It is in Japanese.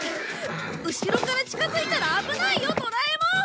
後ろから近づいたら危ないよドラえもん。